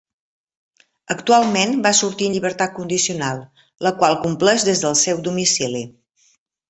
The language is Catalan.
Actualment va sortir en llibertat condicional la qual compleix des del seu domicili.